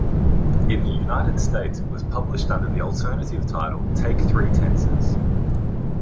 In the United States it was published under the alternative title Take Three Tenses.